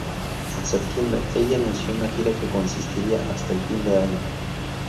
En septiembre, ella anunció una gira que consistiría hasta el fin de año.